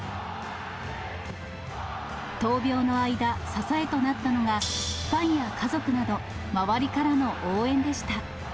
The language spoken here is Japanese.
闘病の間、支えとなったのがファンや家族など、周りからの応援でした。